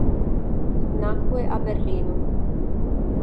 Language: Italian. Nacque a Berlino.